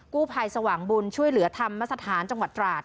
กู้ภัยสว่างบุญช่วยเหลือธรรมสถานจังหวัดตราด